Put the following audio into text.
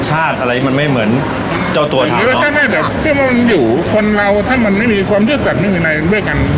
อะไรมันไม่เหมือนเจ้าตัวอย่างนี้มันอยู่คนเราถ้ามันไม่มีความซื่อสัตว์ไม่มีอะไรด้วยกัน